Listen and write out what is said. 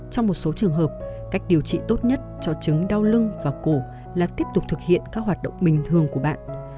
trong một số trường hợp cách điều trị tốt nhất cho chứng đau lưng và cổ là tiếp tục thực hiện các hoạt động bình thường của bạn